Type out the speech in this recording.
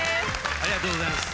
ありがとうございます。